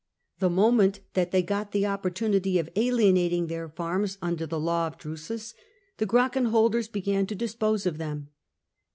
^ The moment that they got the opportunity of alienating their farms, under the law of Drusus, the Gracchan holders began to dispose of them.